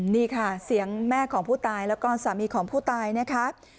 นี่ค่ะเสียงแม่ของผู้ตายแล้วก็สามีของผู้ตายนะคะ